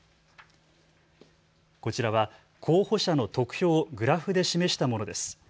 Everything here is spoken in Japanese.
こちらは候補者の得票をグラフで示したものです。